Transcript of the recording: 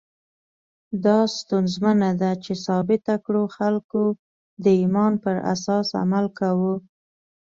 دا ستونزمنه ده چې ثابته کړو خلکو د ایمان پر اساس عمل کاوه.